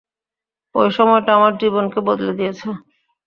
ঐ সময়টা আমার জীবনকে বদলে দিয়েছে।